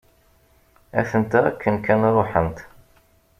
Atent-a akken kan ruḥent.